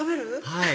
はい！